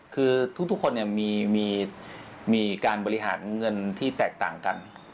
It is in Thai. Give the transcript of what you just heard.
คือทุกคนมีการบริหารเงินที่แตกต่างกัน